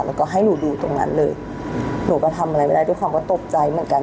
แล้วก็ให้หนูดูตรงนั้นเลยหนูก็ทำอะไรไม่ได้ด้วยความว่าตกใจเหมือนกัน